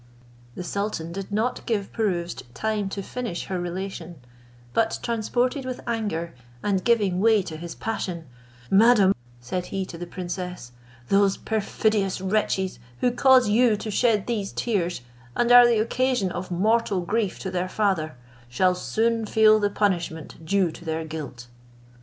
The sultan did not give Pirouzč time to finish her relation, but transported with anger, and giving way to his passion, "Madam," said he to the princess, "those perfidious wretches who cause you to shed these tears, and are the occasion of mortal grief to their father, shall soon feel the punishment due to their guilt."